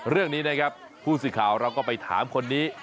เรื่องนี้นะครับผู้สื่อข่าวเราก็ไปถามคนนี้